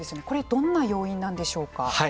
これ、どんな要因なんでしょうか。